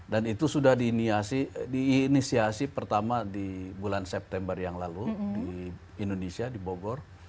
dan itu sudah di inisiasi pertama di bulan september yang lalu di indonesia di bogor